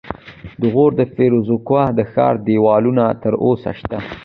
د غور د فیروزکوه د ښار دیوالونه تر اوسه شته